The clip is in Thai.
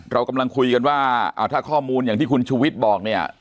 เรากำลังคุยกันว่าถ้าข้อมูลอย่างที่คุณชูวิทย์บอกเนี่ย